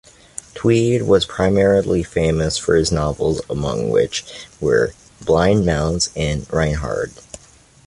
Tweed was primarily famous for his novels, among which were "Blind Mouths" and "Rinehard".